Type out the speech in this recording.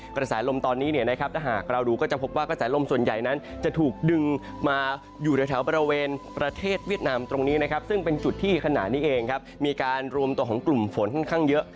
กระแสลมตอนนี้เนี่ยนะครับถ้าหากเราดูก็จะพบว่ากระแสลมส่วนใหญ่นั้นจะถูกดึงมาอยู่ในแถวบริเวณประเทศเวียดนามตรงนี้นะครับซึ่งเป็นจุดที่ขณะนี้เองครับมีการรวมตัวของกลุ่มฝนค่อนข้างเยอะ